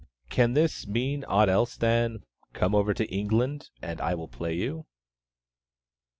Can this mean aught else than, "Come over to England and I will play you?"